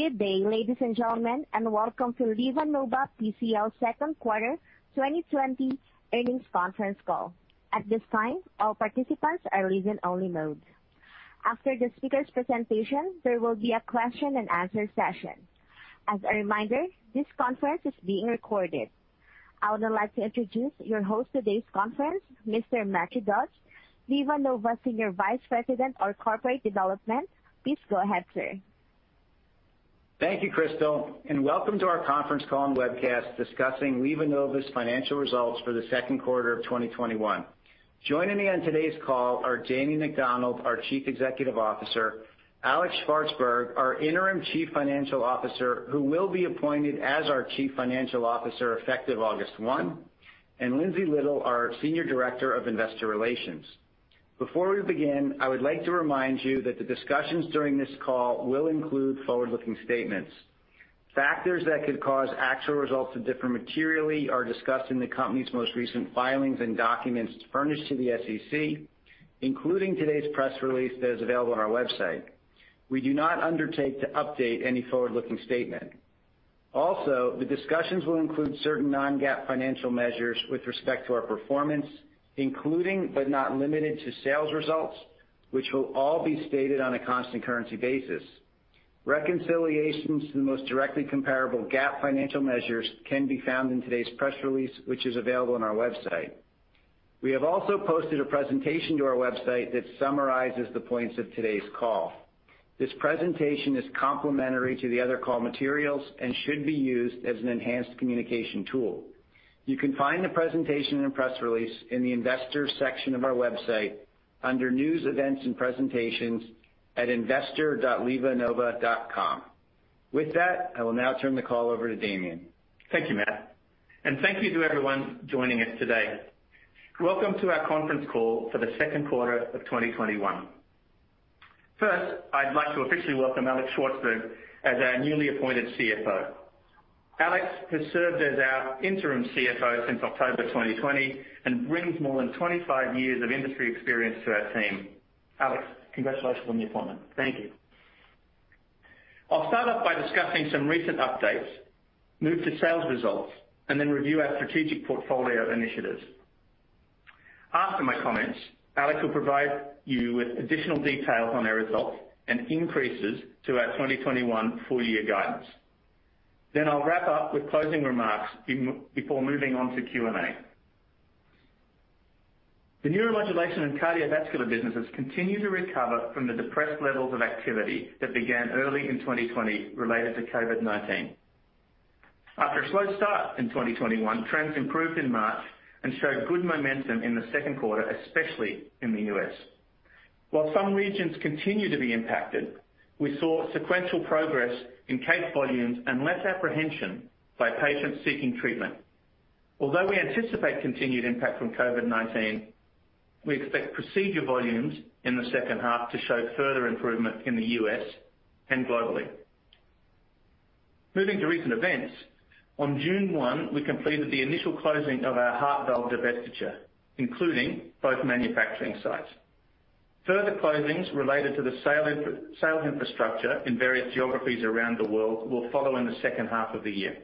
Good day, ladies and gentlemen, and welcome to LivaNova PCL Second Quarter 2020 Earnings Conference Call. At this time, all participants are listen-only mode. After the speaker's presentation, there will be a question-and-answer session. As a reminder, this conference is being recorded. I would like to introduce your host today's conference, Mr. Matthew Dodds, LivaNova Senior Vice President of Corporate Development. Please go ahead, sir. Thank you, Crystal, and welcome to our conference call and webcast discussing LivaNova's financial results for the second quarter of 2021. Joining me on today's call are Damien McDonald, our Chief Executive Officer, Alex Shvartsburg, our interim Chief Financial Officer, who will be appointed as our Chief Financial Officer effective August 1, and Lindsay Little, our Senior Director of Investor Relations. Before we begin, I would like to remind you that the discussions during this call will include forward-looking statements. Factors that could cause actual results to differ materially are discussed in the company's most recent filings and documents furnished to the SEC, including today's press release that is available on our website. We do not undertake to update any forward-looking statement. Also, the discussions will include certain non-GAAP financial measures with respect to our performance, including but not limited to sales results, which will all be stated on a constant currency basis. Reconciliations to the most directly comparable GAAP financial measures can be found in today's press release, which is available on our website. We have also posted a presentation to our website that summarizes the points of today's call. This presentation is complementary to the other call materials and should be used as an enhanced communication tool. You can find the presentation and press release in the investor section of our website under News, Events and Presentations at investor.livanova.com. With that, I will now turn the call over to Damien. Thank you, Matt, and thank you to everyone joining us today. Welcome to our conference call for the second quarter of 2021. First, I'd like to officially welcome Alex Shvartsburg as our newly appointed CFO. Alex has served as our interim CFO since October 2020 and brings more than 25 years of industry experience to our team. Alex, congratulations on the appointment. Thank you. I'll start off by discussing some recent updates, move to sales results, and then review our strategic portfolio initiatives. After my comments, Alex will provide you with additional details on our results and increases to our 2021 full year guidance. Then I'll wrap up with closing remarks before moving on to Q&A. The neuromodulation and cardiovascular businesses continue to recover from the depressed levels of activity that began early in 2020 related to COVID-19. After a slow start in 2021, trends improved in March and showed good momentum in the second quarter, especially in the U.S. While some regions continue to be impacted, we saw sequential progress in case volumes and less apprehension by patients seeking treatment. Although we anticipate continued impact from COVID-19, we expect procedure volumes in the second half to show further improvement in the U.S. and globally. Moving to recent events. On June 1, we completed the initial closing of our heart valve divestiture, including both manufacturing sites. Further closings related to the sale infrastructure in various geographies around the world will follow in the second half of the year.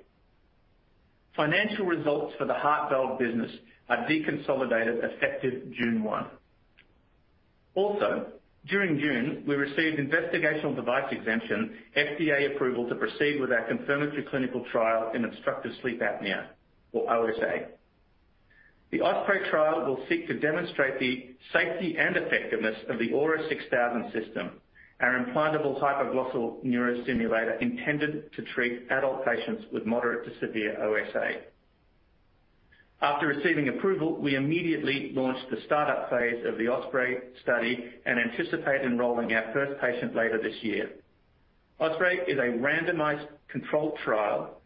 Financial results for the heart valve business are deconsolidated effective June 1. Also, during June, we received investigational device exemption, FDA approval to proceed with our confirmatory clinical trial in Obstructive Sleep Apnea or OSA. The OSPREY trial will seek to demonstrate the safety and effectiveness of the aura6000 System, our implantable hypoglossal neurostimulator intended to treat adult patients with moderate to severe OSA. After receiving approval, we immediately launched the start-up phase of the OSPREY study and anticipate enrolling our first patient later this year. OSPREY is a randomized controlled trial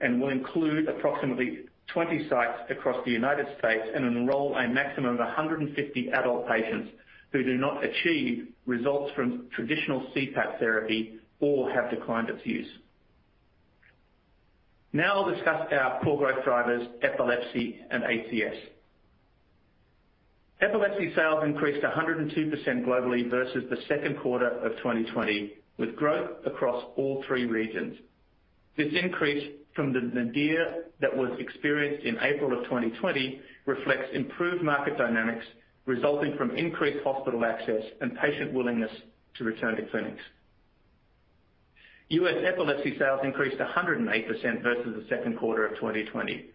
and will include approximately 20 sites across the United States and enroll a maximum of 150 adult patients who do not achieve results from traditional CPAP therapy or have declined its use. Now I'll discuss our core growth drivers, epilepsy and ACS. Epilepsy sales increased 102% globally versus the second quarter of 2020, with growth across all three regions. This increase from the nadir that was experienced in April of 2020 reflects improved market dynamics resulting from increased hospital access and patient willingness to return to clinics. U.S. epilepsy sales increased 108% versus the second quarter of 2020.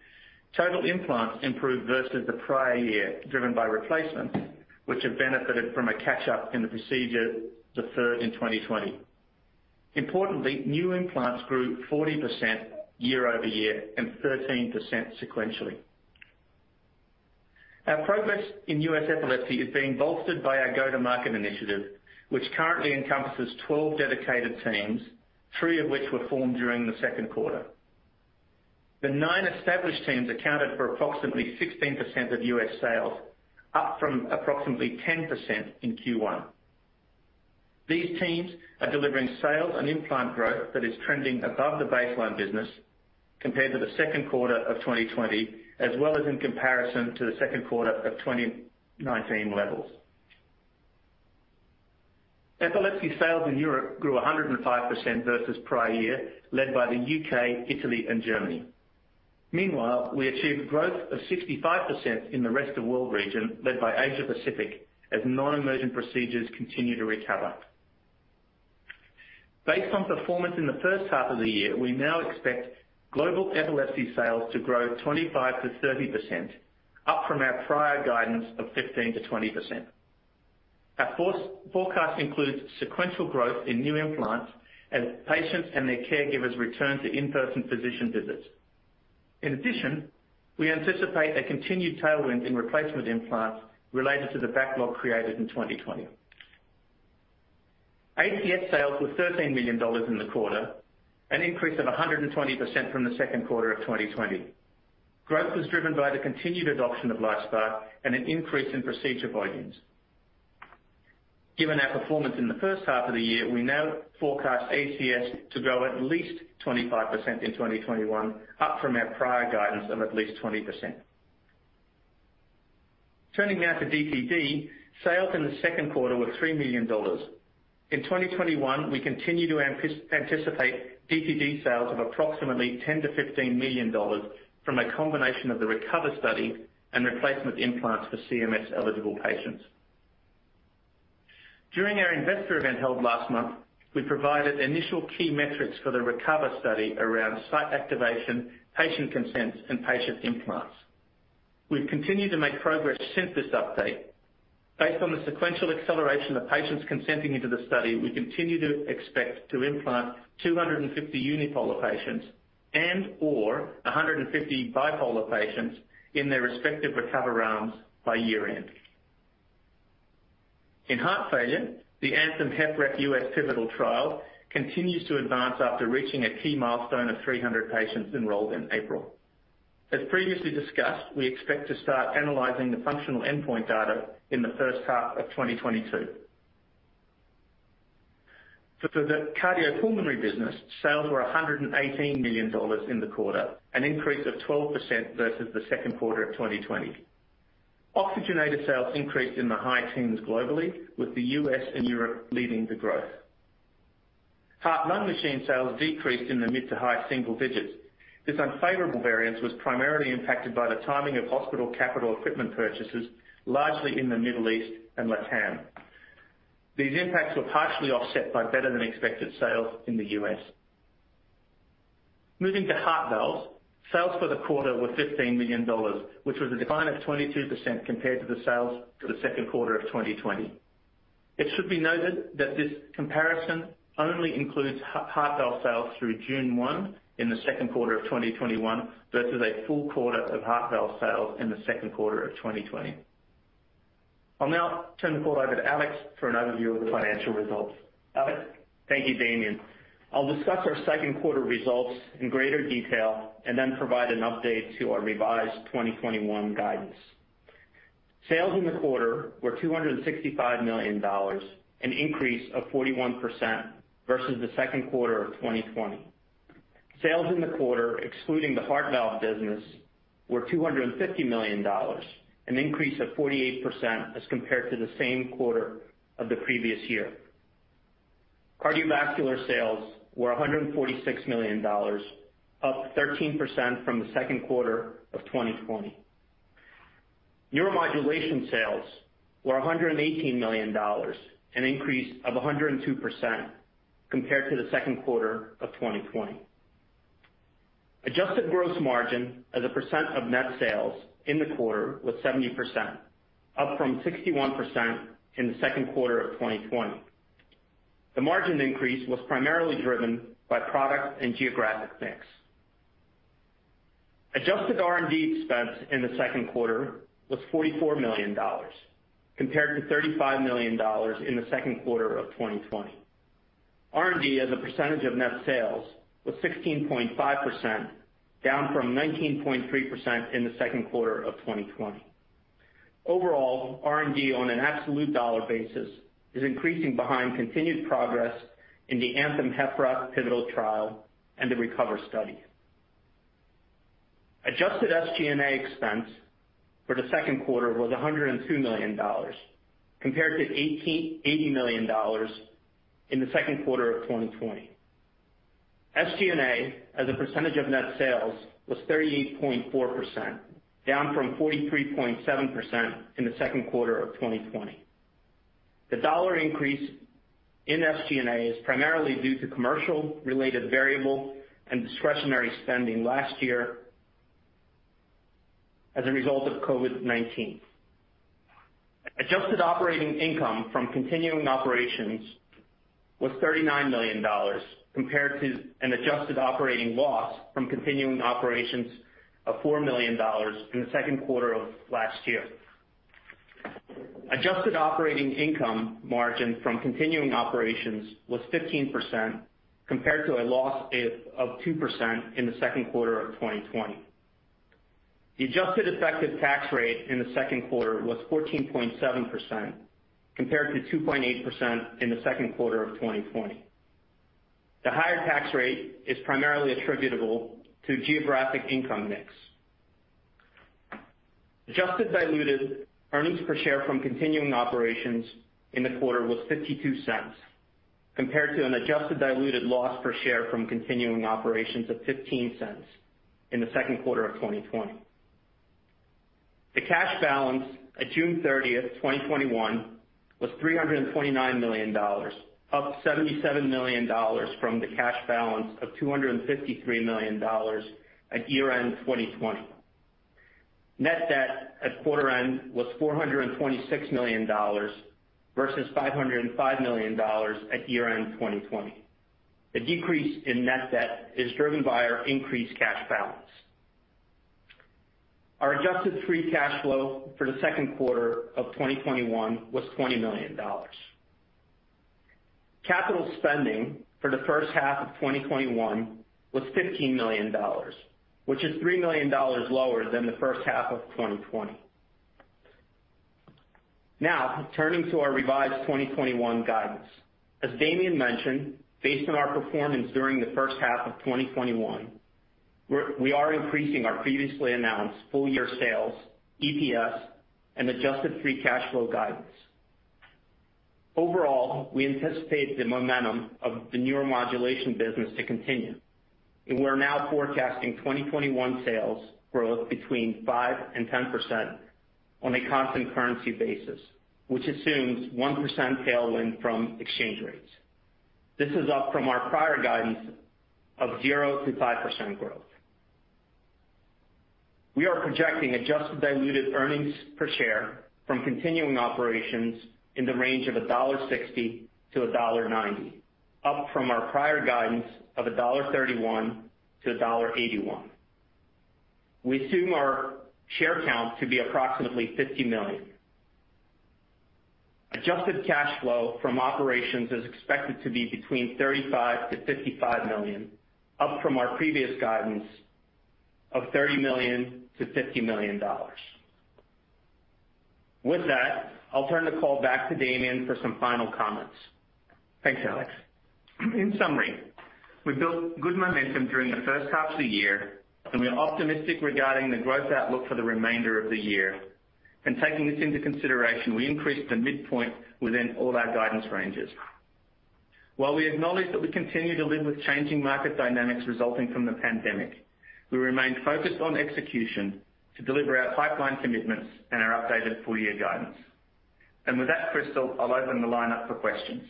Total implants improved versus the prior year, driven by replacements which have benefited from a catch-up in the procedure deferred in 2020. Importantly, new implants grew 40% year-over-year and 13% sequentially. Our progress in U.S. epilepsy is being bolstered by our go-to-market initiative, which currently encompasses 12 dedicated teams, three of which were formed during the second quarter. The nine established teams accounted for approximately 16% of U.S. sales, up from approximately 10% in Q1. These teams are delivering sales and implant growth that is trending above the baseline business compared to the second quarter of 2020, as well as in comparison to the second quarter of 2019 levels. Epilepsy sales in Europe grew 105% versus prior year, led by the U.K., Italy, and Germany. Meanwhile, we achieved growth of 65% in the rest of world region, led by Asia Pacific, as non-emergent procedures continue to recover. Based on performance in the first half of the year, we now expect global epilepsy sales to grow 25%-30%, up from our prior guidance of 15%-20%. Our forecast includes sequential growth in new implants as patients and their caregivers return to in-person physician visits. In addition, we anticipate a continued tailwind in replacement implants related to the backlog created in 2020. ACS sales were $13 million in the quarter, an increase of 120% from the second quarter of 2020. Growth was driven by the continued adoption of LifeSPARC and an increase in procedure volumes. Given our performance in the first half of the year, we now forecast ACS to grow at least 25% in 2021, up from our prior guidance of at least 20%. Turning now to DTD, sales in the second quarter were $3 million. In 2021, we continue to anticipate DTD sales of approximately $10 million-$15 million from a combination of the RECOVER study and replacement implants for CMS-eligible patients. During our investor event held last month, we provided initial key metrics for the RECOVER study around site activation, patient consent, and patient implants. We've continued to make progress since this update. Based on the sequential acceleration of patients consenting into the study, we continue to expect to implant 250 unipolar patients and/or 150 bipolar patients in their respective RECOVER arms by year end. In heart failure, the ANTHEM-HFrEF U.S. pivotal trial continues to advance after reaching a key milestone of 300 patients enrolled in April. As previously discussed, we expect to start analyzing the functional endpoint data in the first half of 2022. For the cardiopulmonary business, sales were $118 million in the quarter, an increase of 12% versus the second quarter of 2020. Oxygenator sales increased in the high teens globally, with the U.S. and Europe leading the growth. Heart-lung machine sales decreased in the mid-to-high single digits. This unfavorable variance was primarily impacted by the timing of hospital capital equipment purchases, largely in the Middle East and LATAM. These impacts were partially offset by better than expected sales in the U.S. Moving to heart valves, sales for the quarter were $15 million, which was a decline of 22% compared to the sales for the second quarter of 2020. It should be noted that this comparison only includes heart valve sales through June 1 in the second quarter of 2021, versus a full quarter of heart valve sales in the second quarter of 2020. I'll now turn the call over to Alex for an overview of the financial results. Alex? Thank you, Damien. I'll discuss our second quarter results in greater detail and then provide an update to our revised 2021 guidance. Sales in the quarter were $265 million, an increase of 41% versus the second quarter of 2020. Sales in the quarter, excluding the heart valve business, were $250 million, an increase of 48% as compared to the same quarter of the previous year. Cardiovascular sales were $146 million, up 13% from the second quarter of 2020. Neuromodulation sales were $118 million, an increase of 102% compared to the second quarter of 2020. Adjusted gross margin as a % of net sales in the quarter was 70%, up from 61% in the second quarter of 2020. The margin increase was primarily driven by product and geographic mix. Adjusted R&D expense in the second quarter was $44 million, compared to $35 million in the second quarter of 2020. R&D as a percentage of net sales was 16.5%, down from 19.3% in the second quarter of 2020. Overall, R&D on an absolute dollar basis is increasing behind continued progress in the ANTHEM-HFrEF pivotal trial and the RECOVER study. Adjusted SG&A expense for the second quarter was $102 million, compared to $80 million in the second quarter of 2020. SG&A as a percentage of net sales was 38.4%, down from 43.7% in the second quarter of 2020. The dollar increase in SG&A is primarily due to commercial-related variable and discretionary spending last year as a result of COVID-19. Adjusted operating income from continuing operations was $39 million, compared to an adjusted operating loss from continuing operations of $4 million in the second quarter of last year. Adjusted operating income margin from continuing operations was 15%, compared to a loss of 2% in the second quarter of 2020. The adjusted effective tax rate in the second quarter was 14.7%, compared to 2.8% in the second quarter of 2020. The higher tax rate is primarily attributable to geographic income mix. Adjusted diluted earnings per share from continuing operations in the quarter was $0.52, compared to an adjusted diluted loss per share from continuing operations of $0.15 in the second quarter of 2020. The cash balance at June 30th, 2021 was $329 million, up $77 million from the cash balance of $253 million at year-end 2020. Net debt at quarter end was $426 million versus $505 million at year-end 2020. The decrease in net debt is driven by our increased cash balance. Our adjusted free cash flow for the second quarter of 2021 was $20 million. Capital spending for the first half of 2021 was $15 million, which is $3 million lower than the first half of 2020. Now, turning to our revised 2021 guidance. As Damien mentioned, based on our performance during the first half of 2021, we are increasing our previously announced full-year sales, EPS, and adjusted free cash flow guidance. Overall, we anticipate the momentum of the neuromodulation business to continue, and we're now forecasting 2021 sales growth between 5% and 10% on a constant currency basis, which assumes 1% tailwind from exchange rates. This is up from our prior guidance of 0% to 5% growth. We are projecting adjusted diluted earnings per share from continuing operations in the range of $1.60 to $1.90, up from our prior guidance of $1.31 to $1.81. We assume our share count to be approximately 50 million. Adjusted cash flow from operations is expected to be between $35 million-$55 million, up from our previous guidance of $30 million-$50 million. With that, I'll turn the call back to Damien for some final comments. Thanks, Alex. In summary, we've built good momentum during the first half of the year, and we are optimistic regarding the growth outlook for the remainder of the year. Taking this into consideration, we increased the midpoint within all our guidance ranges. While we acknowledge that we continue to live with changing market dynamics resulting from the pandemic, we remain focused on execution to deliver our pipeline commitments and our updated full-year guidance. With that, Crystal, I'll open the line up for questions.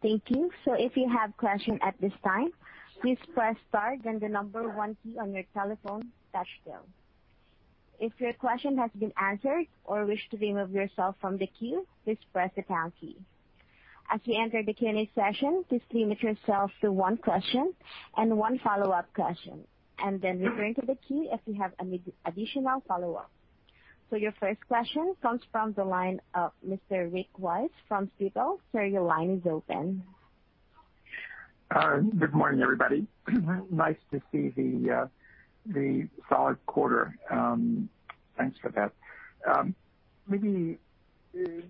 Thank you. If you have question at this time, please press star then the number one key on your telephone touch-tone. If your question has been answered or wish to remove yourself from the queue, please press the pound key. As you enter the Q&A session, please limit yourself to one question and one follow-up question, and then return to the queue if you have additional follow-ups. Your first question comes from the line of Mr. Rick Wise from Stifel. Sir, your line is open. Good morning, everybody. Nice to see the solid quarter. Thanks for that. Maybe,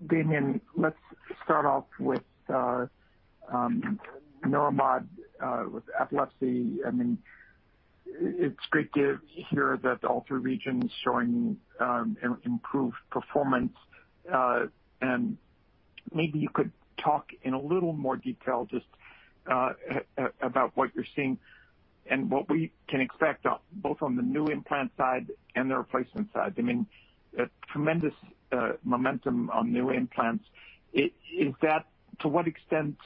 Damien, let's start off with Neuromod, with epilepsy. It's great to hear that all three regions showing improved performance. Maybe you could talk in a little more detail just about what you're seeing and what we can expect, both on the new implant side and the replacement side. I mean, tremendous momentum on new implants. To what extent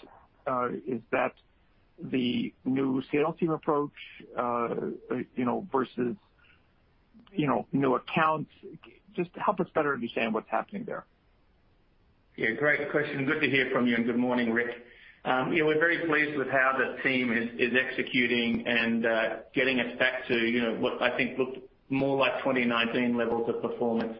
is that the new sales team approach versus new accounts? Just help us better understand what's happening there. Yeah, great question. Good to hear from you, and good morning, Rick. We're very pleased with how the team is executing and getting us back to what I think looked more like 2019 levels of performance.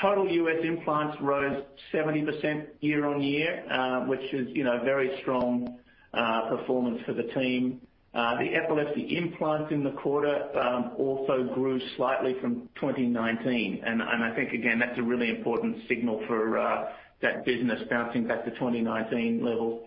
Total U.S. implants rose 70% year-on-year, which is very strong performance for the team. The epilepsy implants in the quarter also grew slightly from 2019. I think, again, that's a really important signal for that business bouncing back to 2019 levels.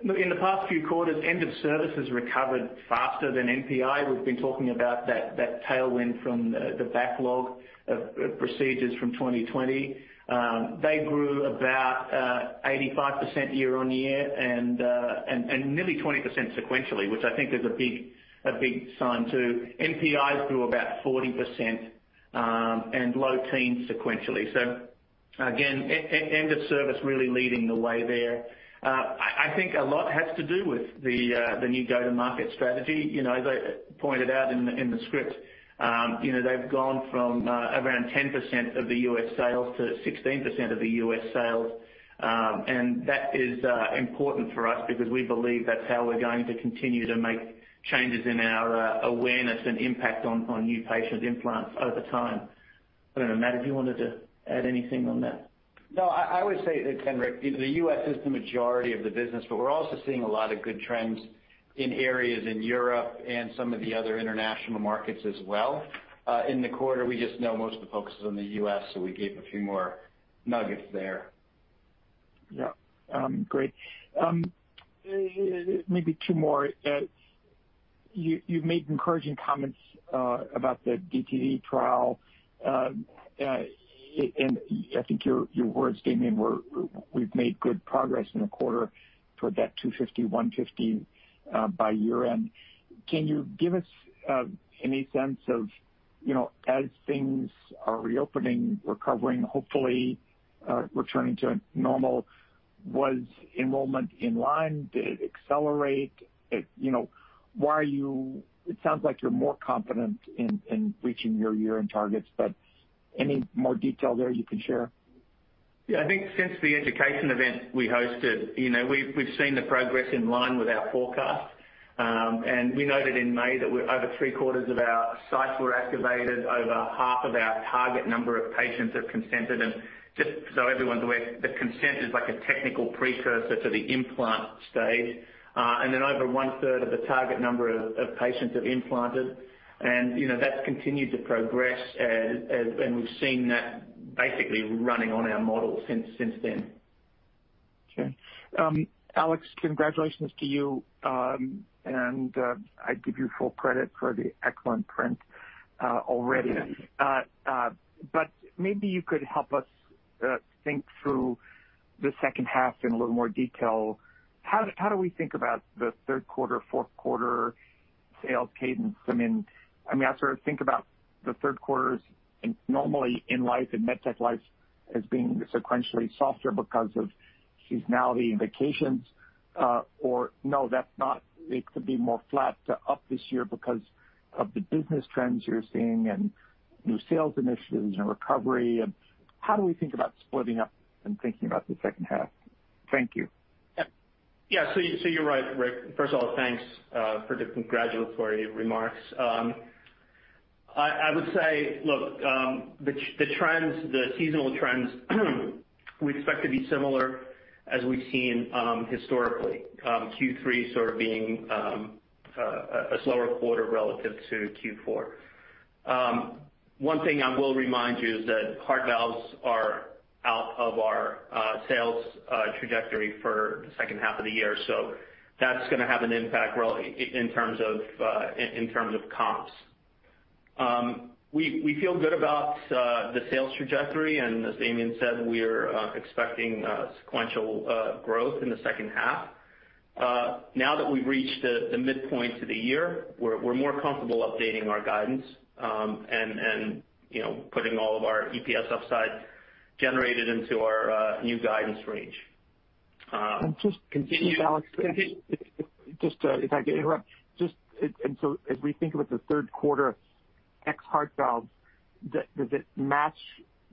In the past few quarters, end of services recovered faster than NPI. We've been talking about that tailwind from the backlog of procedures from 2020. They grew about 85% year-on-year and nearly 20% sequentially, which I think is a big sign, too. NPIs grew about 40% and low-teens sequentially. Again, end of service really leading the way there. I think a lot has to do with the new go-to-market strategy. As I pointed out in the script, they've gone from around 10% of the U.S. sales to 16% of the U.S. sales. That is important for us because we believe that's how we're going to continue to make changes in our awareness and impact on new patient implants over time. I don't know, Matt, if you wanted to add anything on that. No, I would say that, Rick, the U.S. is the majority of the business. We're also seeing a lot of good trends in areas in Europe and some of the other international markets as well. In the quarter, we just know most of the focus is on the U.S. We gave a few more nuggets there. Yeah. Great. Maybe two more. You've made encouraging comments about the DTD trial. I think your words, Damien, were, "We've made good progress in the quarter toward that 250, 150 by year-end." Can you give us any sense of, as things are reopening, recovering, hopefully returning to normal, was enrollment in line? Did it accelerate? It sounds like you're more confident in reaching your year-end targets, but any more detail there you can share? Yeah. I think since the education event we hosted, we've seen the progress in line with our forecast. We noted in May that over three-quarters of our sites were activated, over half of our target number of patients have consented. Just so everyone's aware, the consent is like a technical precursor to the implant stage. Then over 1/3 of the target number of patients have implanted and that's continued to progress and we've seen that basically running on our model since then. Okay. Alex, congratulations to you. I give you full credit for the excellent print already. Thank you. Maybe you could help us think through the second half in a little more detail. How do we think about the third quarter, fourth quarter sales cadence? I sort of think about the third quarters normally in life and medtech life as being sequentially softer because of seasonality and vacations, or no, that's not, it could be more flat to up this year because of the business trends you're seeing and new sales initiatives and recovery. How do we think about splitting up and thinking about the second half? Thank you. You're right, Rick. First of all, thanks for the congratulatory remarks. I would say, look, the seasonal trends we expect to be similar as we've seen historically, Q3 sort of being a slower quarter relative to Q4. One thing I will remind you is that heart valves are out of our sales trajectory for the second half of the year, so that's going to have an impact really in terms of comps. We feel good about the sales trajectory, and as Damien said, we are expecting sequential growth in the second half. Now that we've reached the midpoint of the year, we're more comfortable updating our guidance, and putting all of our EPS upside generated into our new guidance range. Just, if I could interrupt. As we think about the third quarter ex-heart valves, does it match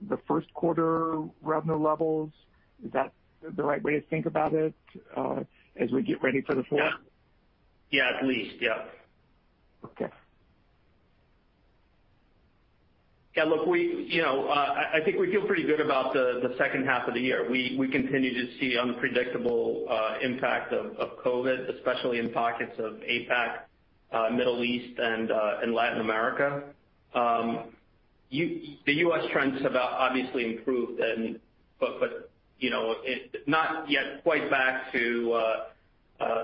the first quarter revenue levels? Is that the right way to think about it as we get ready for the fourth? Yeah. Yeah. At least. Yeah. Okay. Yeah, look, I think we feel pretty good about the second half of the year. We continue to see unpredictable impact of COVID, especially in pockets of APAC, Middle East, and Latin America. The U.S. trends have obviously improved, but not yet quite back to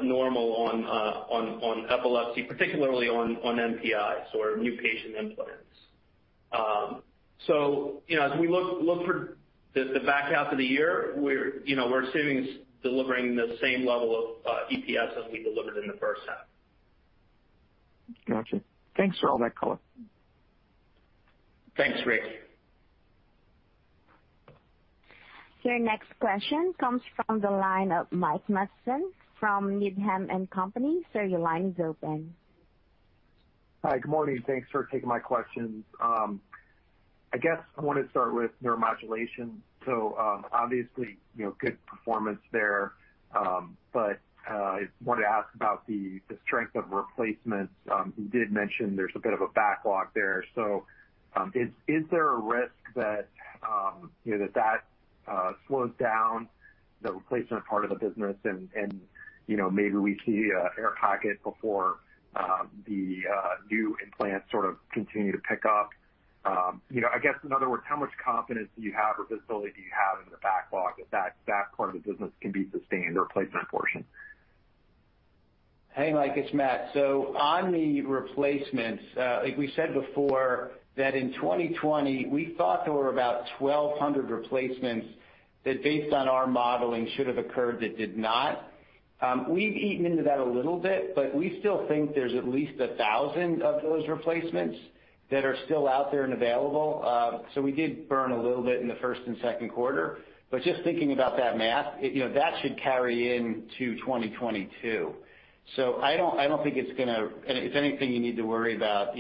normal on epilepsy, particularly on NPIs or new patient implants. As we look for the back half of the year, we're assuming it's delivering the same level of EPS as we delivered in the first half. Got you. Thanks for all that color. Thanks, Rick. Your next question comes from the line of Mike Matson from Needham & Company. Sir, your line is open. Hi. Good morning. Thanks for taking my questions. I guess I want to start with neuromodulation. Obviously, good performance there. But, I wanted to ask about the strength of replacements. You did mention there's a bit of a backlog there. Is there a risk that that slows down the replacement part of the business and maybe we see an air pocket before the new implants sort of continue to pick up? I guess, in other words, how much confidence do you have or visibility do you have into the backlog that that part of the business can be sustained, the replacement portion? Hey, Mike, it's Matt. On the replacements, like we said before, that in 2020, we thought there were about 1,200 replacements that based on our modeling should have occurred that did not. We've eaten into that a little bit, but we still think there's at least 1,000 of those replacements that are still out there and available. We did burn a little bit in the first and second quarter. Just thinking about that math, that should carry into 2022. I don't think it's anything you need to worry about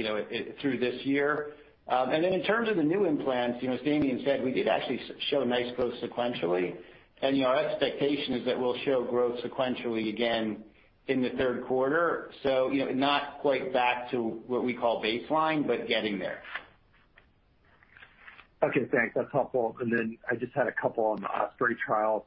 through this year. In terms of the new implants, as Damien said, we did actually show nice growth sequentially. Our expectation is that we'll show growth sequentially again in the third quarter. Not quite back to what we call baseline, but getting there. Okay, thanks. That's helpful. I just had a couple on the OSPREY trial.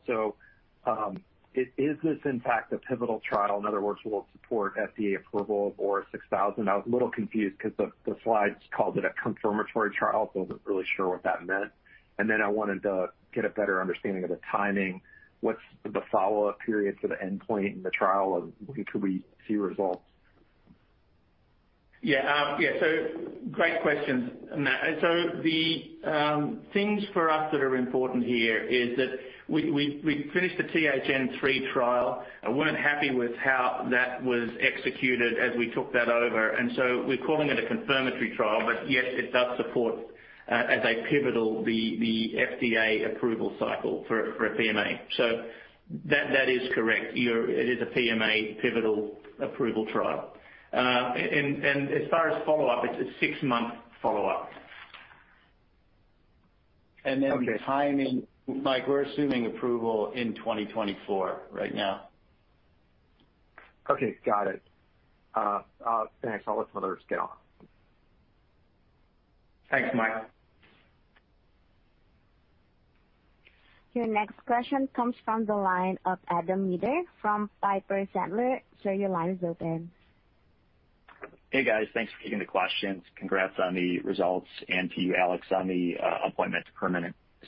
Is this in fact a pivotal trial? In other words, will it support FDA approval for aura6000 outlook? Confused because the slides called it a confirmatory trial, so I wasn't really sure what that meant. And I wanted to get a better understanding of the timing. What's the follow-up period to the endpoint in the trial, and when could we see results? Yeah. Yeah, so, great questions, Matt. The things for us that are important here is that we finished the THN3 trial and weren't happy with how that was executed as we took that over. We're calling it a confirmatory trial. But, yes, it does support as a pivotal the FDA approval cycle for a PMA. That is correct. It is a PMA pivotal approval trial. As far as follow-up, it's a six-month follow-up. The timing, Mike, we're assuming approval in 2024 right now. Okay, got it. Thanks. I'll let some others get on. Thanks, Mike. Your next question comes from the line of Adam Maeder from Piper Sandler. Sir, your line is open. Hey, guys. Thanks for taking the questions. Congrats on the results and to you, Alex, on the appointment to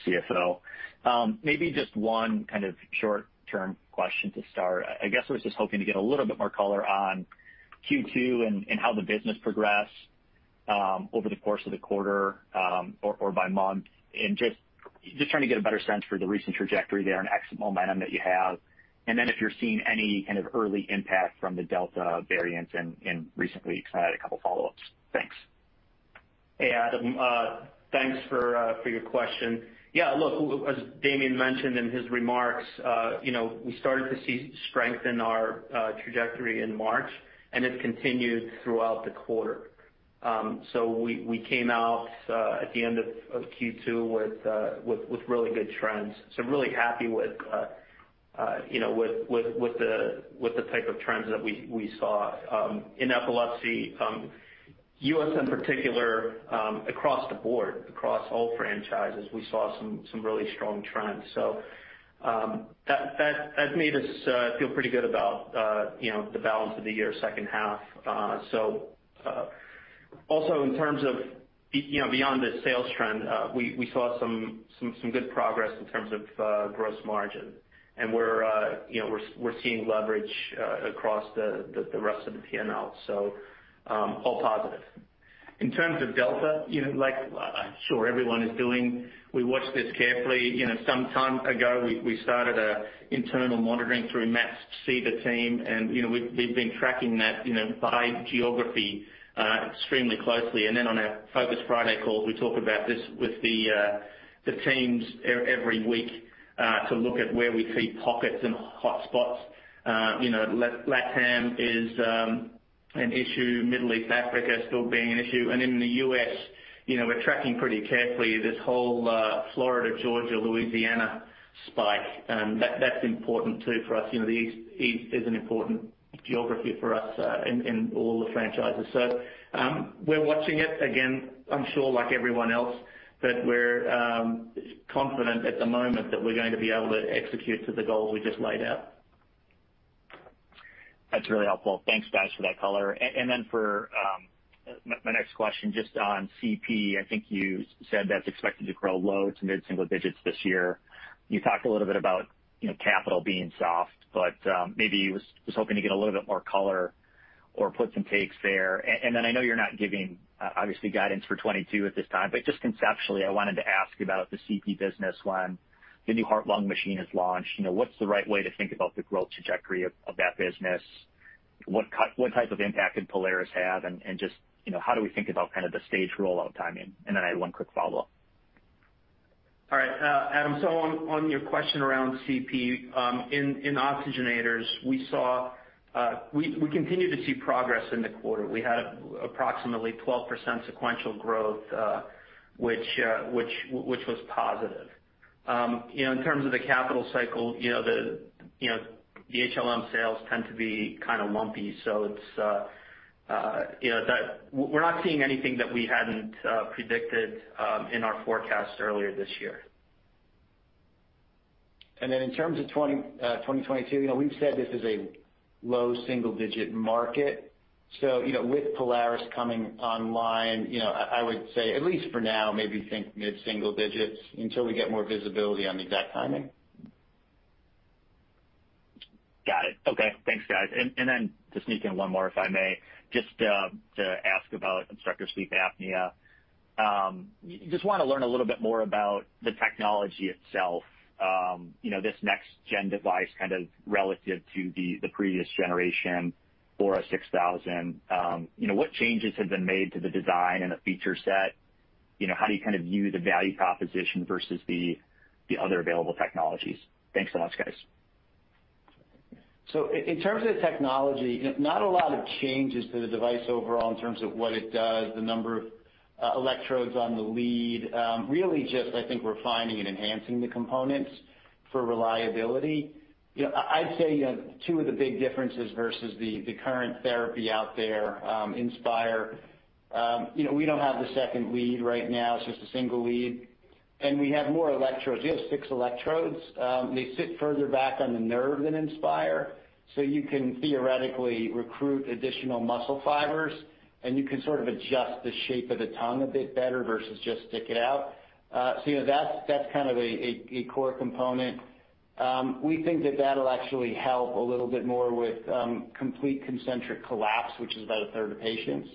permanent CFO. Maybe just one kind of short-term question to start. I guess I was just hoping to get a little bit more color on Q2 and how the business progressed over the course of the quarter or by month, and just trying to get a better sense for the recent trajectory there and exit momentum that you have, and then if you're seeing any kind of early impact from the Delta variant recently, because I had a couple of follow-ups. Thanks. Hey, Adam. Thanks for your question. Yeah, look, as Damien mentioned in his remarks, we started to see strength in our trajectory in March, and it continued throughout the quarter. We came out at the end of Q2 with really good trends. Really happy with the type of trends that we saw in epilepsy, U.S. in particular across the board, across all franchises, we saw some really strong trends. That made us feel pretty good about the balance of the year, second half. Also in terms of beyond the sales trend, we saw some good progress in terms of gross margin, and we're seeing leverage across the rest of the P&L. All positive. In terms of Delta, like I'm sure everyone is doing, we watch this carefully. Some time ago, we started internal monitoring through Matt's SIVA team, and we've been tracking that by geography extremely closely. Then on our Focus Friday calls, we talk about this with the teams every week to look at where we see pockets and hotspots. LATAM is an issue, Middle East, Africa still being an issue. And in the U.S., we're tracking pretty carefully this whole Florida, Georgia, Louisiana spike. That's important too for us. The East is an important geography for us in all the franchises. We're watching it, again, I'm sure like everyone else, but we're confident at the moment that we're going to be able to execute to the goal we just laid out. That's really helpful. Thanks, guys, for that color. Then for my next question, just on CP, I think you said that's expected to grow low to mid-single digits this year. You talked a little bit about, you now, capital being soft. But maybe was hoping to get a little bit more color or put some takes there. Then I know you're not giving, obviously, guidance for 2022 at this time, just conceptually, I wanted to ask about the CP business when the new heart-lung machine is launched. What's the right way to think about the growth trajectory of that business? What type of impact did Polaris have and just how do we think about kind of the stage rollout timing? Then I had one quick follow-up. All right, Adam, on your question around CP. In oxygenators, we continue to see progress in the quarter. We had approximately 12% sequential growth which was positive. In terms of the capital cycle, the HLM sales tend to be kind of lumpy. We're not seeing anything that we hadn't predicted in our forecast earlier this year. In terms of 2022, we've said this is a low single-digit market. With Polaris coming online, I would say at least for now, maybe think mid-single digits until we get more visibility on the exact timing. Got it. Okay. Thanks, guys. To sneak in one more, if I may, just to ask about obstructive sleep apnea. Just want to learn a little bit more about the technology itself. This next-gen device kind of relative to the previous generation, aura6000. What changes have been made to the design and the feature set? How do you kind of view the value proposition versus the other available technologies? Thanks so much, guys. In terms of the technology, not a lot of changes to the device overall in terms of what it does, the number of electrodes on the lead. Really just, I think refining and enhancing the components for reliability. I'd say two of the big differences versus the current therapy out there, Inspire. We don't have the second lead right now. It's just a single lead, and we have more electrodes. We have six electrodes. They sit further back on the nerve than Inspire, you can theoretically recruit additional muscle fibers, and you can sort of adjust the shape of the tongue a bit better versus just stick it out. That's kind of a core component. We think that that'll actually help a little bit more with complete concentric collapse, which is about 1/3 of patients.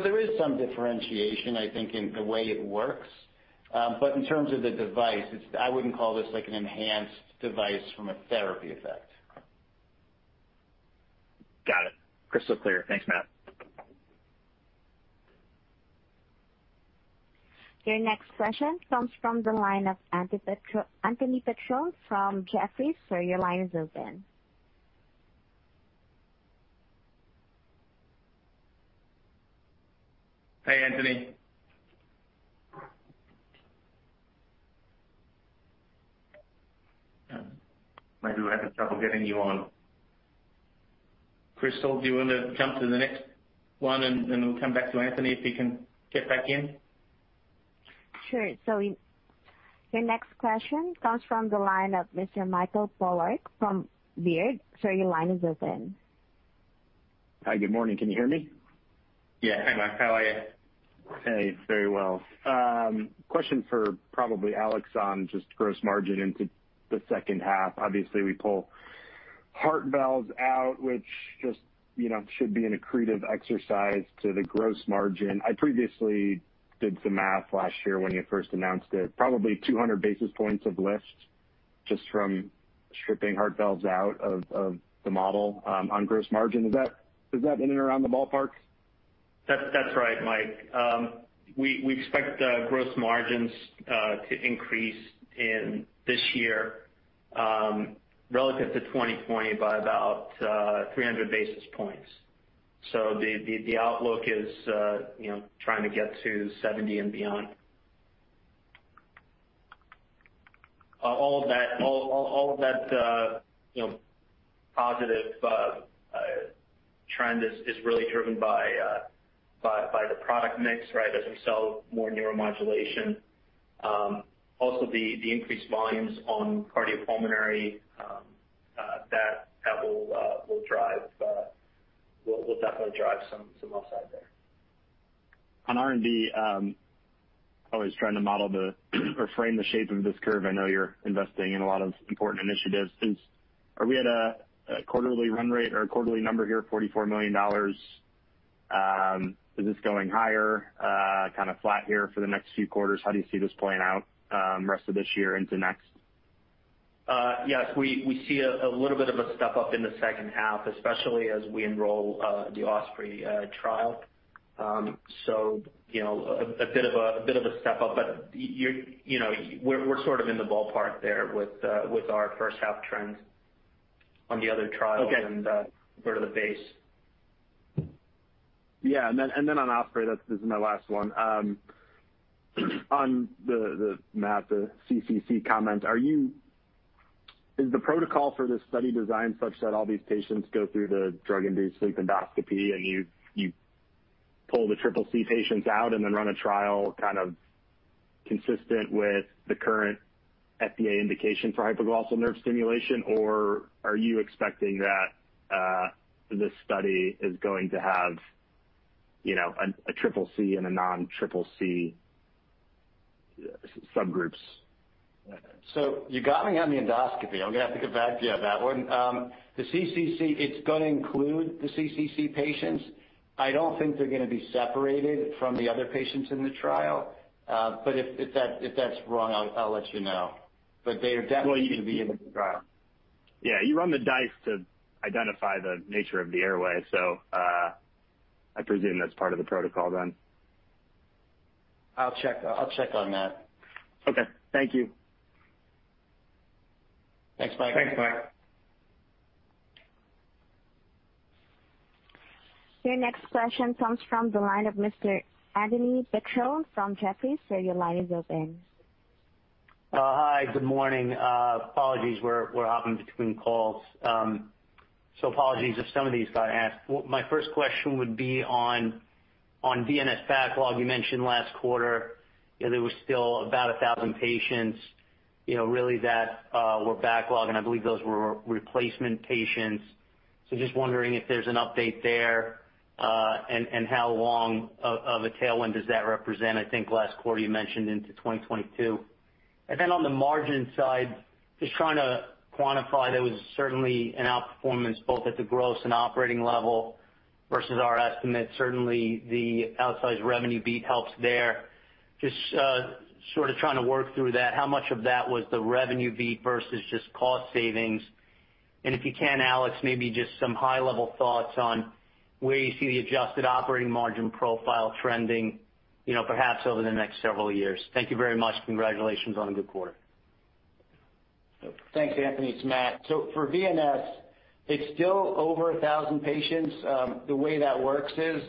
There is some differentiation, I think, in the way it works. But in terms of the device, I wouldn't call this an enhanced device from a therapy effect. Got it. Crystal clear. Thanks, Matt. Your next question comes from the line of Anthony Petrone from Jefferies. Sir, your line is open. Hey, Anthony. Maybe we're having trouble getting you on. Crystal, do you want to come to the next one, and then we'll come back to Anthony if he can get back in? Sure. Your next question comes from the line of Mr. Michael Polark from Baird. Sir, your line is open. Hi. Good morning. Can you hear me? Yeah. Hey, Mike. How are you? Hey, very well. Question for probably Alex on just gross margin into the second half. Obviously, we pull heart valves out, which just should be an accretive exercise to the gross margin. I previously did some math last year when you first announced it, probably 200 basis points of lift just from stripping heart valves out of the model on gross margin. Is that in and around the ballpark? That's right, Mike. We expect gross margins to increase in this year relative to 2020 by about 300 basis points. The outlook is trying to get to 70 and beyond. All of that positive trend is really driven by the product mix as we sell more neuromodulation. Also, the increased volumes on cardiopulmonary, that will definitely drive some upside there. On R&D, always trying to model the or frame the shape of this curve. I know you're investing in a lot of important initiatives. Are we at a quarterly run rate or a quarterly number here of $44 million? Is this going higher, kind of flat here for the next few quarters? How do you see this playing out rest of this year into next? We see a little bit of a step-up in the second half, especially as we enroll the OSPREY trial, a bit of a step-up, but we're sort of in the ballpark there with our first half trends on the other trial. Okay. Sort of the base. Yeah. On OSPREY, this is my last one. On the math, the CCC comment, is the protocol for this study design such that all these patients go through the drug-induced sleep endoscopy, and you pull the Triple C patients out and then run a trial kind of consistent with the current FDA indication for hypoglossal nerve stimulation? Are you expecting that this study is going to have a Triple C and a non-Triple C subgroups? You got me on the endoscopy. I'm going to have to get back to you on that one. The CCC, it's going to include the CCC patients. I don't think they're going to be separated from the other patients in the trial. If that's wrong, I'll let you know. Well. But they are definitely going to be in the trial. Yeah, you run the DISE to identify the nature of the airway. I presume that's part of the protocol then. I'll check on that. Okay. Thank you. Thanks, Mike. Thanks, Mike. Your next question comes from the line of Mr. Anthony Petrone from Jefferies. Sir, your line is open. Hi. Good morning. Apologies. We're hopping between calls. Apologies if some of these got asked. My first question would be on VNS backlog. You mentioned last quarter there were still about 1,000 patients really that were backlogged, and I believe those were replacement patients. Just wondering if there's an update there, and how long of a tailwind does that represent? I think last quarter you mentioned into 2022. On the margin side, just trying to quantify, there was certainly an outperformance both at the gross and operating level versus our estimate. Certainly, the outsized revenue beat helps there. Just sort of trying to work through that. How much of that was the revenue beat versus just cost savings? If you can, Alex, maybe just some high-level thoughts on where you see the adjusted operating margin profile trending perhaps over the next several years. Thank you very much. Congratulations on a good quarter. Thanks, Anthony. It's Matt. For VNS, it's still over 1,000 patients. The way that works is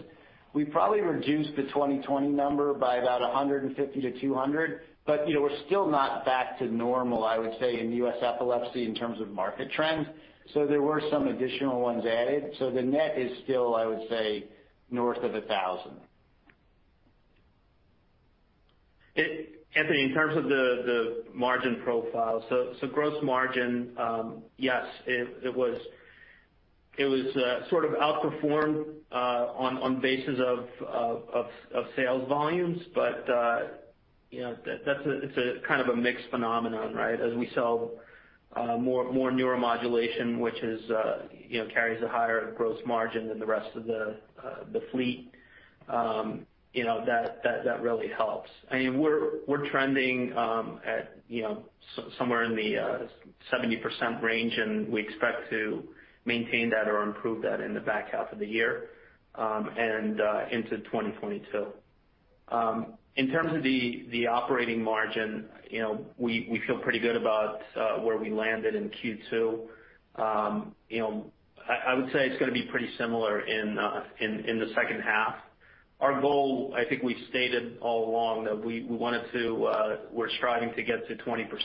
we probably reduced the 2020 number by about 150-200, but we're still not back to normal, I would say, in U.S. epilepsy in terms of market trends. There were some additional ones added. The net is still, I would say, north of 1,000. Anthony, in terms of the margin profile, so gross margin, yes, it was It was sort of outperformed on basis of sales volumes. It's a kind of a mixed phenomenon, right? As we sell more neuromodulation, which carries a higher gross margin than the rest of the fleet. That really helps. We're trending at somewhere in the 70% range, and we expect to maintain that or improve that in the back half of the year, and into 2022. In terms of the operating margin, we feel pretty good about where we landed in Q2. I would say it's going to be pretty similar in the second half. Our goal, I think we've stated all along that we're striving to get to 20%.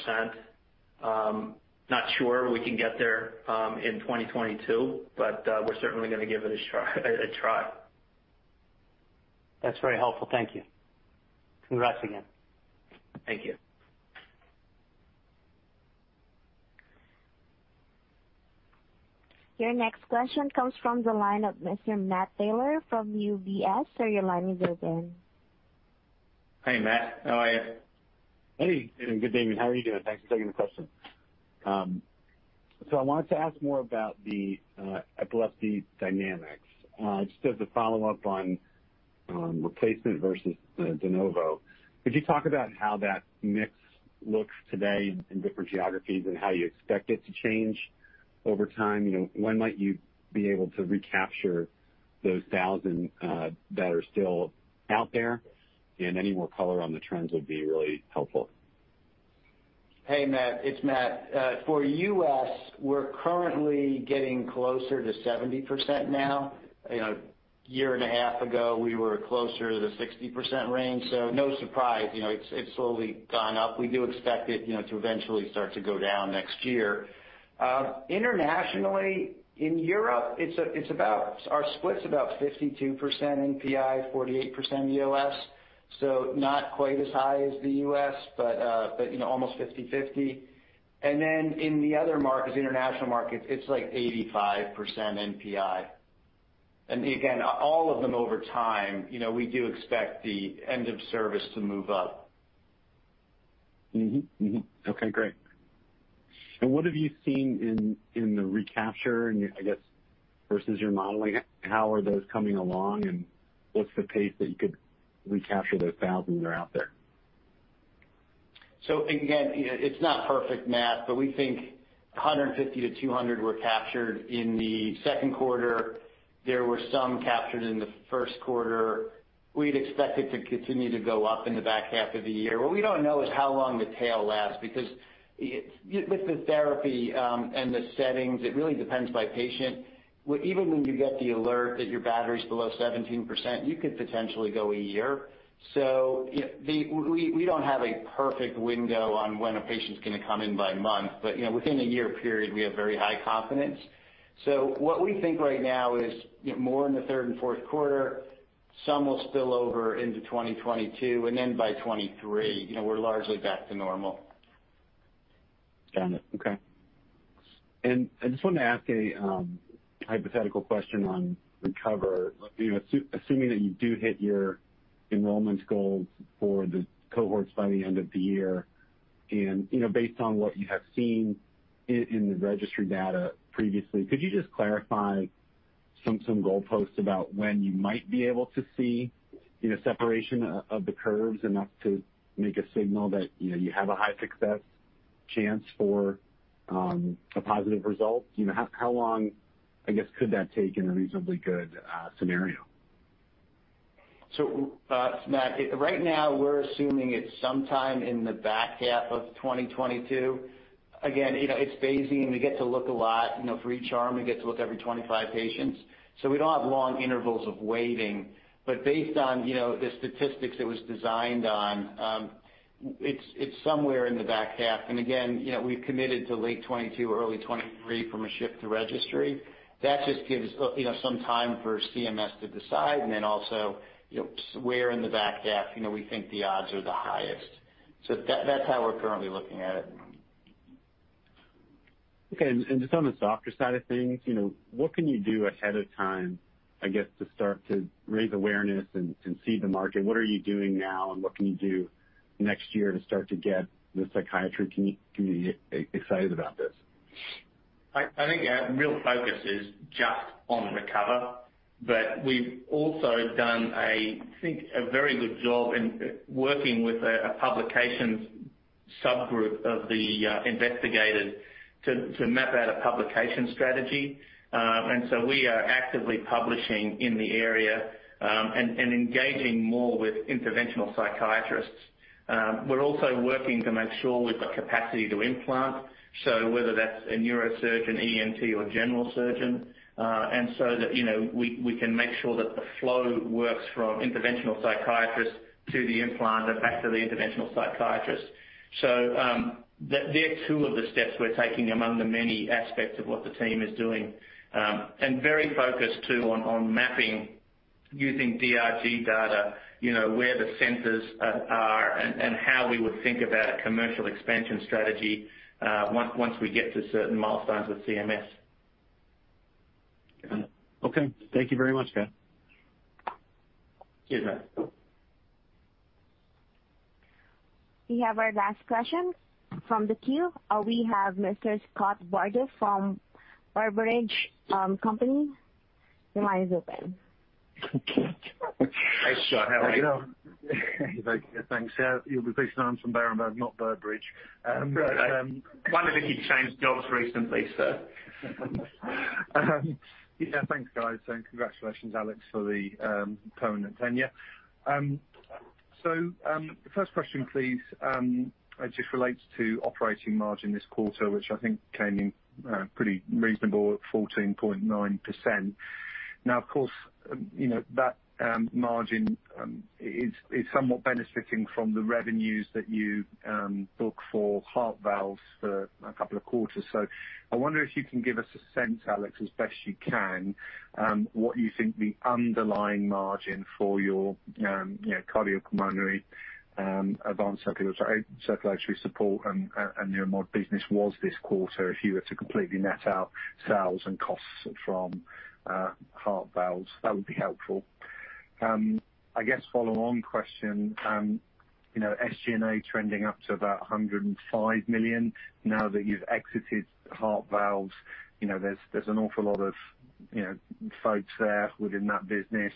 Not sure we can get there in 2022, but we're certainly going to give it a try. That's very helpful. Thank you. Congrats again. Thank you. Your next question comes from the line of Mr. Matt Taylor from UBS. Sir, your line is open. Hey, Matt. How are you? Hey, Damien. Good, Damien. How are you doing? Thanks for taking the question. I wanted to ask more about the epilepsy dynamics. Just as a follow-up on replacement versus de novo. Could you talk about how that mix looks today in different geographies and how you expect it to change over time? When might you be able to recapture those 1,000 that are still out there? Any more color on the trends would be really helpful. Hey, Matt. It's Matt. For U.S., we're currently getting closer to 70% now. A year and a half ago, we were closer to the 60% range, so no surprise. It's slowly gone up. We do expect it to eventually start to go down next year. Internationally, in Europe, our split's about 52% NPI, 48% EOS, so not quite as high as the U.S., but almost 50/50. In the other markets, international markets, it's like 85% NPI. Again, all of them over time. We do expect the End of Service to move up. Mm-hmm. Mm-hmm. Okay, great. What have you seen in the recapture and, I guess, versus your modeling? How are those coming along, and what's the pace that you could recapture those 1,000 that are out there? Again, it's not perfect, Matt, but we think 150-200 were captured in the second quarter. There were some captured in the first quarter. We'd expect it to continue to go up in the back half of the year. What we don't know is how long the tail lasts, because with the therapy and the settings, it really depends by patient. Even when you get the alert that your battery's below 17%, you could potentially go a year. We don't have a perfect window on when a patient's going to come in by month, but within a year period, we have very high confidence. What we think right now is more in the third and fourth quarter, some will spill over into 2022, and then by 2023, we're largely back to normal. Got it. Okay. I just wanted to ask a hypothetical question on RECOVER. Assuming that you do hit your enrollment goals for the cohorts by the end of the year, and based on what you have seen in the registry data previously, could you just clarify some goalposts about when you might be able to see separation of the curves enough to make a signal that you have a high success chance for a positive result? How long, I guess, could that take in a reasonably good scenario? Matt, right now we're assuming it's sometime in the back half of 2022. Again, it's phasing. We get to look a lot. For each arm, we get to look every 25 patients. We don't have long intervals of waiting. Based on the statistics it was designed on, it's somewhere in the back half. Again, we've committed to late 2022, early 2023 from a ship to registry. That just gives some time for CMS to decide and then also where in the back half we think the odds are the highest. That's how we're currently looking at it. Okay. Just on the softer side of things. What can you do ahead of time, I guess, to start to raise awareness and seed the market? What are you doing now and what can you do next year to start to get the psychiatry community excited about this? I think our real focus is just on RECOVER. We've also done, I think, a very good job in working with a publications subgroup of the investigators to map out a publication strategy. We are actively publishing in the area and engaging more with interventional psychiatrists. We're also working to make sure we've got capacity to implant, so whether that's a neurosurgeon, ENT, or general surgeon, so that we can make sure that the flow works from interventional psychiatrist to the implanter back to the interventional psychiatrist. They're two of the steps we're taking among the many aspects of what the team is doing. Using DRG data, where the centers are and how we would think about a commercial expansion strategy, once we get to certain milestones with CMS. Got it. Okay. Thank you very much, Matt. Cheers, Matt. We have our last question from the queue. We have Mr. Scott Bardo from Burbridge company. Your line is open. Hey, Scott, how are you? Thanks. Yeah, you'll be pleased to know I'm from Berenberg, not Burbridge. Right. Thought maybe you changed jobs recently, sir. Thanks, guys, and congratulations, Alex, for the permanent tenure. The first question, please, just relates to operating margin this quarter, which I think came in pretty reasonable at 14.9%. Of course, that margin is somewhat benefiting from the revenues that you book for heart valves for a couple of quarters. I wonder if you can give us a sense, Alex, as best you can, what you think the underlying margin for your cardiopulmonary, Advanced Circulatory Support and Neuromod business was this quarter, if you were to completely net out sales and costs from heart valves. That would be helpful. I guess follow on question, SG&A trending up to about $105 million now that you've exited heart valves. There's an awful lot of folks there within that business.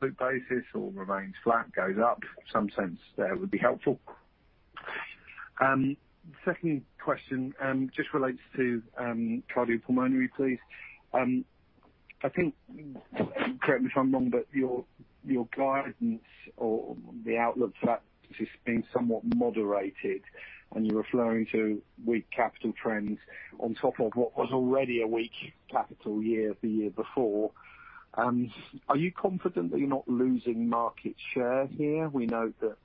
Loop basis all remains flat, goes up. Some sense there would be helpful. Second question, just relates to cardiopulmonary, please. I think, correct me if I'm wrong, but your guidance or the outlook for that has been somewhat moderated, and you're referring to weak capital trends on top of what was already a weak capital year the year before. Are you confident that you're not losing market share here? We note that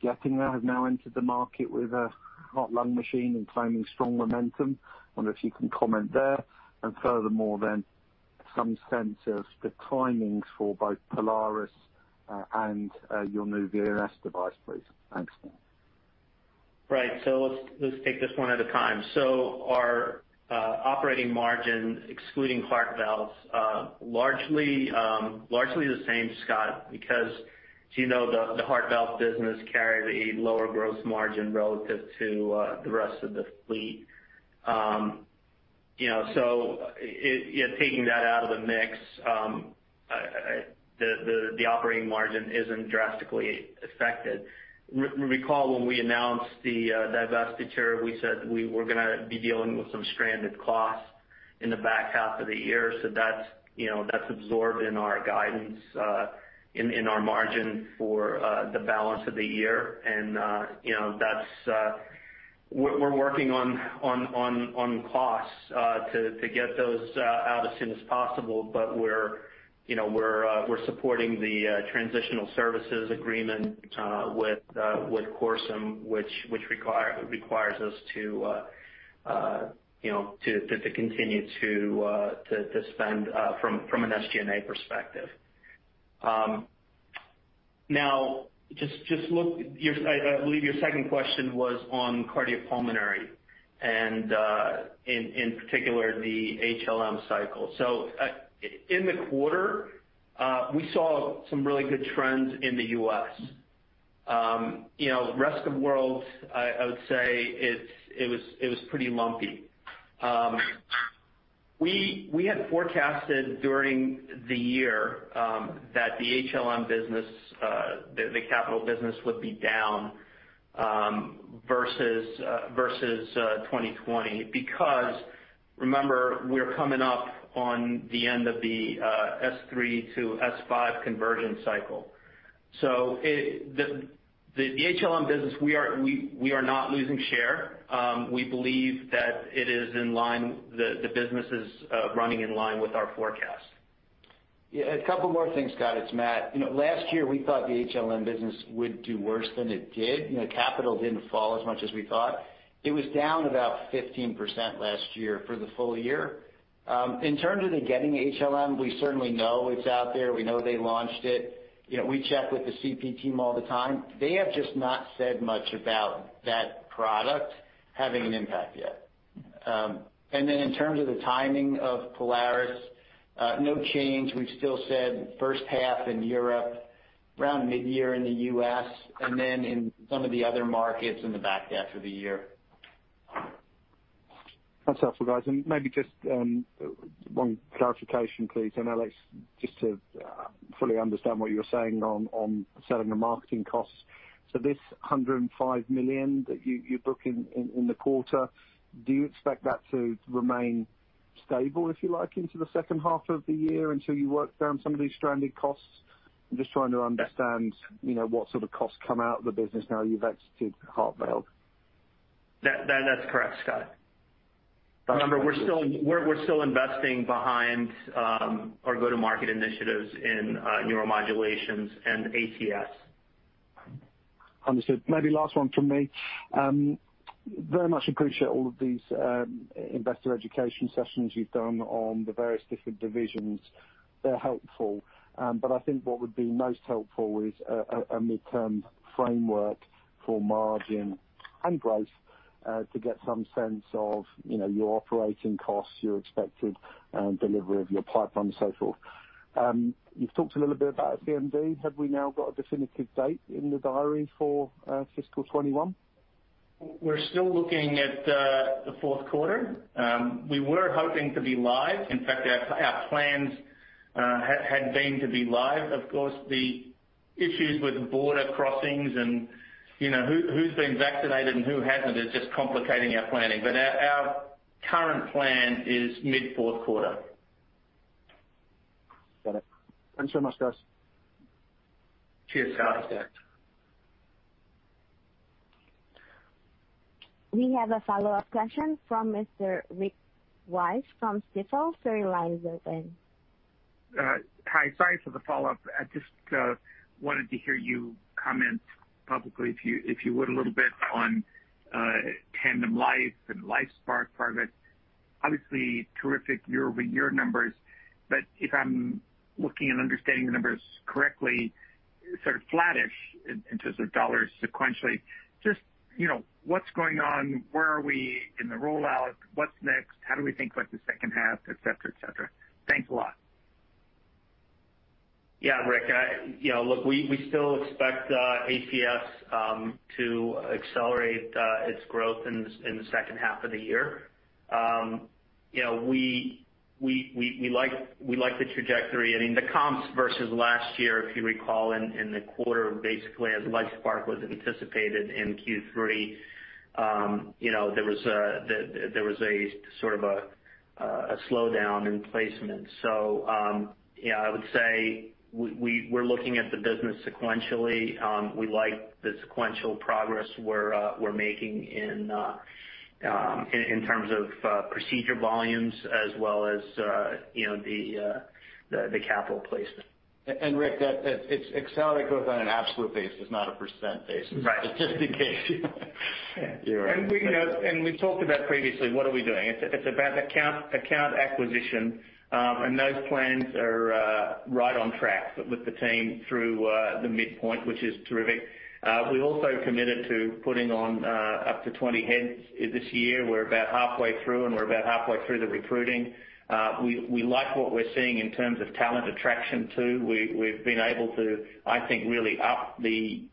Getinge have now entered the market with a heart-lung machine and claiming strong momentum. I wonder if you can comment there, and furthermore then, some sense of the timings for both Polaris and your new VNS device, please. Thanks. Great. So, let's take this one at a time. Our operating margin, excluding heart valves, largely the same, Scott, because as you know, the heart valve business carried a lower gross margin relative to the rest of the fleet. You know, so, taking that out of the mix, the operating margin isn't drastically affected. Recall when we announced the divestiture, we said we were going to be dealing with some stranded costs in the back half of the year. That's absorbed in our guidance, in our margin for the balance of the year. We're working on costs, to get those out as soon as possible. We're supporting the transitional services agreement with CORCYM, which requires us to continue to spend from an SG&A perspective. Now, just look, I believe your second question was on cardiopulmonary and, in particular, the HLM cycle. In the quarter, we saw some really good trends in the U.S., you know, rest of world, I would say it was pretty lumpy. We had forecasted during the year, that the HLM business, the capital business would be down versus 2020 because remember, we're coming up on the end of the S3 to S5 conversion cycle. The HLM business, we are not losing share. We believe that the business is running in line with our forecast. A couple more things, Scott. It's Matt. Last year we thought the HLM business would do worse than it did. Capital didn't fall as much as we thought. It was down about 15% last year for the full year. In terms of the Getinge HLM, we certainly know it's out there. We know they launched it. We check with the CP team all the time. They have just not said much about that product having an impact yet. In terms of the timing of Polaris, no change. We've still said first half in Europe, around mid-year in the U.S., in some of the other markets in the back half of the year. That's helpful, guys. Maybe just one clarification please, Alex, just to fully understand what you were saying on selling and marketing costs. This $105 million that you book in the quarter, do you expect that to remain stable, if you like, into the second half of the year until you work down some of these stranded costs? I'm just trying to understand what sort of costs come out of the business now you've exited heart valve. That's correct, Scott. Remember, we're still investing behind our go-to-market initiatives in neuromodulations and ACS. Understood. Maybe last one from me. Very much appreciate all of these investor education sessions you've done on the various different divisions. They're helpful. I think what would be most helpful is a mid-term framework for margin and growth, to get some sense of your operating costs, your expected delivery of your platform, so forth. You've talked a little bit about CMD. Have we now got a definitive date in the diary for fiscal 2021? We're still looking at the fourth quarter. We were hoping to be live. In fact, our plans had been to be live. Of course, the issues with border crossings and who's been vaccinated and who hasn't is just complicating our planning. Our current plan is mid fourth quarter. Got it. Thanks so much, guys. Cheers on you, Scott. We have a follow-up question from Mr. Rick Wise from Stifel. Sir, your line is open. Hi. Sorry for the follow-up. I just wanted to hear you comment publicly, if you would, a little bit on TandemLife and LifeSPARC part of it. Obviously, terrific year-over-year numbers. ButiIf I'm looking and understanding the numbers correctly, sort of flattish in terms of dollars sequentially. Just what's going on? Where are we in the rollout? What's next? How do we think about the second half, et cetera? Thanks a lot. Yeah, Rick, look, we still expect ACS to accelerate its growth in the second half of the year. You know, we like the trajectory. The comps versus last year, if you recall, in the quarter, basically, as LifeSPARC was anticipated in Q3, there was a sort of a slowdown in placement. I would say, we're looking at the business sequentially. We like the sequential progress we're making in terms of procedure volumes as well as the capital placement. And Rick, it's accelerated growth on an absolute basis, not a percent basis. Right. But just in case. Yeah, you are right. And we've talked about previously, what are we doing? It's about account acquisition. Those plans are right on track with the team through the midpoint, which is terrific. We also committed to putting on up to 20 heads this year. We're about halfway through, and we're about halfway through the recruiting. We like what we're seeing in terms of talent attraction, too. We've been able to, I think, really up the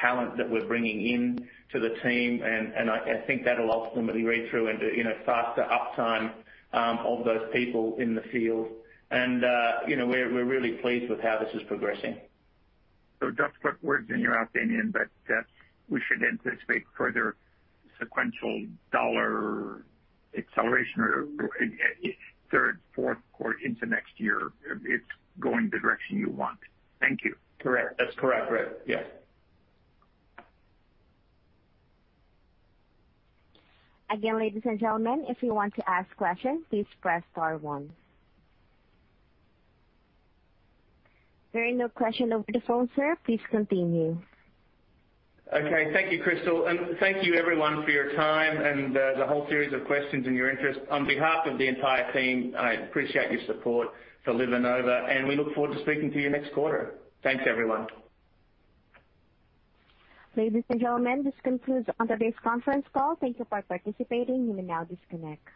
talent that we're bringing in to the team. I think that'll ultimately read through into faster uptime of those people in the field. We're really pleased with how this is progressing. Just put words in your opinion, but we should anticipate further sequential dollar acceleration or third, fourth quarter into next year. It's going the direction you want. Thank you. Correct. That's correct, Rick. Yes. Again, ladies and gentlemen, if you want to ask questions, please press star one. There are no questions over the phone, sir. Please continue. Okay. Thank you, Crystal. Thank you everyone for your time and the whole series of questions and your interest. On behalf of the entire team, I appreciate your support for LivaNova, and we look forward to speaking to you next quarter. Thanks, everyone. Ladies and gentlemen, this concludes today's conference call. Thank you for participating. You may now disconnect.